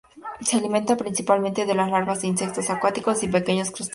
Se alimenta principalmente de larvas de insectos acuáticos y pequeños crustáceos.